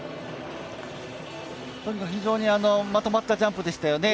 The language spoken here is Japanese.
とにかく非常にまとまったジャンプでしたよね。